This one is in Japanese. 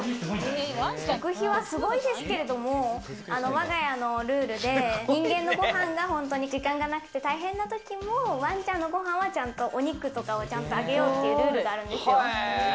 食費はすごいですけれど、我が家のルールで人間のご飯が時間がなくて大変な時も、ワンちゃんのご飯はちゃんとお肉とかをちゃんとあげようっていうルールがあるんですよ。